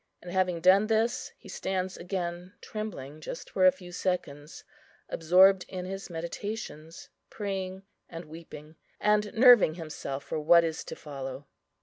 And having done this, he stands again trembling, just for a few seconds, absorbed in his meditations, praying and weeping, and nerving himself for what is to follow.